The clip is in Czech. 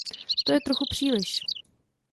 To je trochu příliš.